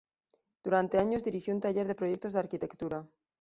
Durante años dirigió un taller de proyectos de arquitectura.